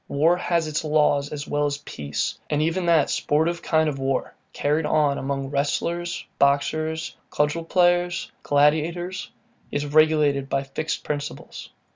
War has its laws as well as peace; and even that sportive kind of war, carried on among wrestlers, boxers, cudgel players, gladiators, is regulated by fixed principles.